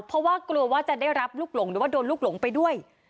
เพราะว่ากลัวว่าจะได้รับลูกหลงหรือว่าโดนลูกหลงไปด้วย